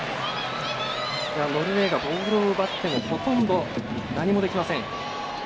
ノルウェーがボールを奪ってもほとんど何もできません。